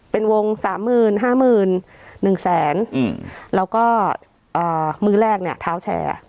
เป็นวงสามหมื่นห้าหมื่นหนึ่งแสนอืมแล้วก็อ่ามื้อแรกเนี้ย